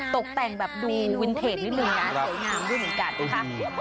ตกแต่งแบบดูวินเทจนิดนึงนะสวยงามด้วยเหมือนกันนะคะ